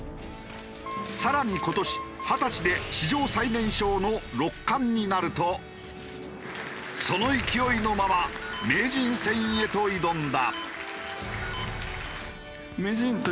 更に今年二十歳で史上最年少の六冠になるとその勢いのまま名人戦へと挑んだ。